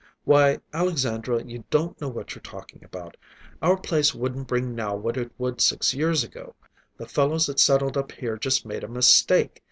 Why, Alexandra, you don't know what you're talking about. Our place wouldn't bring now what it would six years ago. The fellows that settled up here just made a mistake.